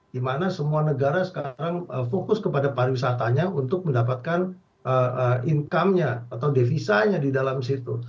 dimana semua negara sekarang fokus kepada pariwisatanya untuk mendapatkan income nya atau devisanya di dalam situ